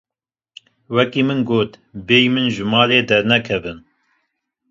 Wekî min got bêyî min ji malê dernekevin.